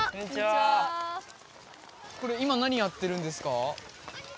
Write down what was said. これ今何やってるんですか？